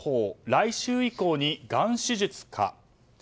来週以降にがん手術か。